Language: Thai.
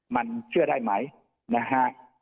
มันเชื่อได้ไหมนะฮะ